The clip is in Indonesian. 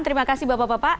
terima kasih bapak bapak